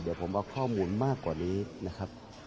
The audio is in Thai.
เดี๋ยวผมเอาข้อมูลมากกว่านี้นะครับ